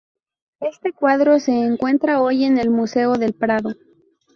Este cuadro se encuentra hoy en el Museo del Prado.